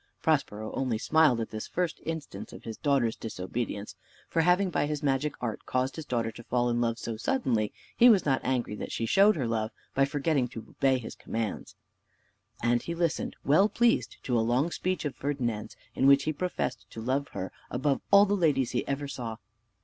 Prospero only smiled at this first instance of his daughter's disobedience, for having by his magic art caused his daughter to fall in love so suddenly, he was not angry that she showed her love by forgetting to obey his commands. And he listened well pleased to a long speech of Ferdinand's, in which he professed to love her above all the ladies he ever saw.